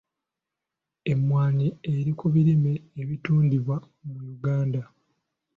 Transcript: Emmwanyi eri ku birime ebitundibwa mu Uganda.